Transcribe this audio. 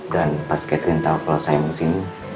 dan pas catherine tau kalau saya mau kesini